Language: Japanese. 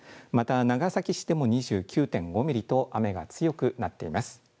また長崎市でも２９．５ミリと雨が強くなっています。